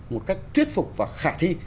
một cách thuyết phục và khả thi